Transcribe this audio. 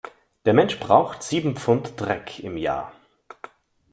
Der Mensch braucht sieben Pfund Dreck im Jahr.